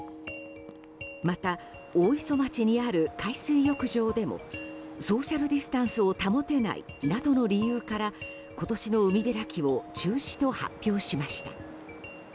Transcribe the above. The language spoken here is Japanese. また、大磯町にある海水浴場でもソーシャルディスタンスを保てないなどの理由から今年の海開きを中止と発表しました。